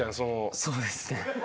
そうですね。